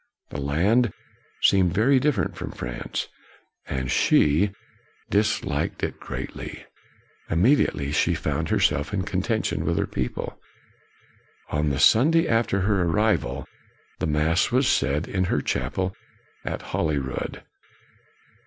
The land seemed very different from France, and she dis 138 KNOX liked it greatly. Immediately, she found herself in contention with her people. On the Sunday after her arrival, the mass was said in her chapel at Holyrood.